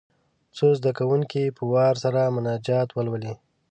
څو زده کوونکي په وار سره مناجات ولولي.